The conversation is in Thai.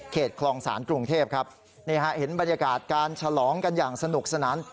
คลองศาลกรุงเทพครับนี่ฮะเห็นบรรยากาศการฉลองกันอย่างสนุกสนาน